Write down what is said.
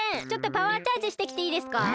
ちょっとパワーチャージしてきていいですか？